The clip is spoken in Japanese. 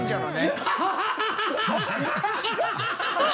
ハハハ